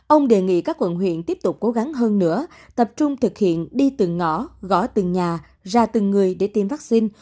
ông đề nghị các quận huyện tiếp tục cố gắng hơn nữa tập trung thực hiện đi từng ngõ gõ từng nhà ra từng người để tiêm vaccine